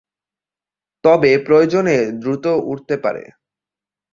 তবে প্রয়োজনে দ্রুত উড়তে পারে।